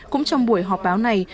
cũng trong buổi họp báo này